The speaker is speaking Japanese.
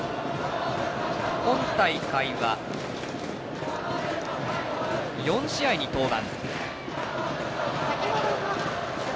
今大会は４試合に登板。